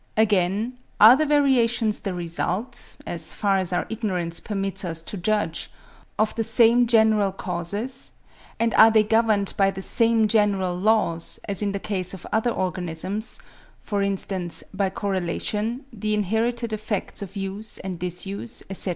Again, are the variations the result, as far as our ignorance permits us to judge, of the same general causes, and are they governed by the same general laws, as in the case of other organisms; for instance, by correlation, the inherited effects of use and disuse, etc.?